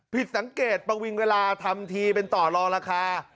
ผิดสังเกตประวิงเวลาทำทีเป็นต่อรองราคา